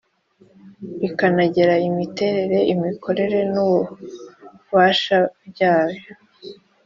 rikanagena imiterere imikorere n ububasha byayo